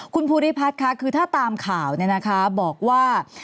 คุณภูริพัฒน์ค่ะคือถ้าตามข่าวบอกว่า